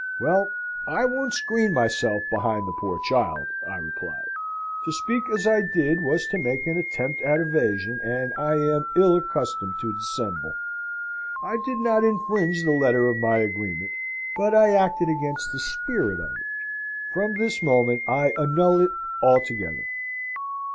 "Well, I won't screen myself behind the poor child," I replied. "To speak as I did was to make an attempt at evasion, and I am ill accustomed to dissemble. I did not infringe the letter of my agreement, but I acted against the spirit of it. From this moment I annul it altogether."